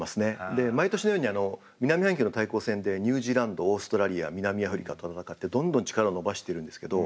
で毎年のように南半球の対抗戦でニュージーランドオーストラリア南アフリカと戦ってどんどん力を伸ばしてるんですけど。